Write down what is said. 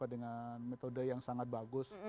dengan metode yang sangat bagus